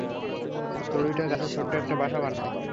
চড়ুইটা গাছে ছোট্ট একটা বাসা বানায়।